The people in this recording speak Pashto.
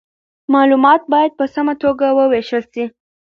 معلومات باید په سمه توګه وویشل سي.